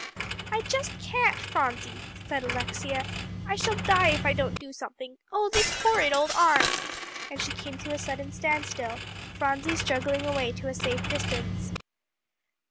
"I just can't, Phronsie," said Alexia; "I shall die if I don't do something! Oh, this horrid old arm!" and she came to a sudden standstill, Phronsie struggling away to a safe distance.